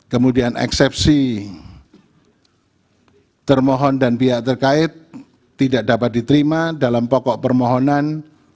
kemudian eksepsi termohon dan pihak terkait tidak dapat diterima dalam pokok permohonan